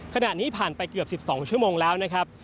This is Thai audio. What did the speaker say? ขณะนี้ผ่านไปเกือบ๑๒ชั่วโมงแล้วนะครับ